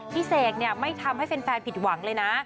เสกไม่ทำให้แฟนผิดหวังเลยนะ